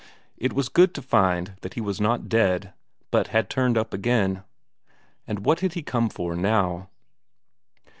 It was good to find that he was not dead, but had turned up again. And what had he come for now?